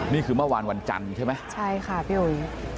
นี่คือเมื่อวานวันจันทร์ใช่ไหมใช่ค่ะพี่อุ๋ย